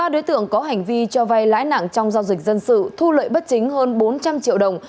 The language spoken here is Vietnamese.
ba đối tượng có hành vi cho vay lãi nặng trong giao dịch dân sự thu lợi bất chính hơn bốn trăm linh triệu đồng